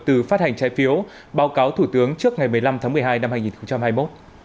từ phát hành trái phiếu báo cáo thủ tướng trước ngày một mươi năm tháng một mươi hai năm hai nghìn hai mươi một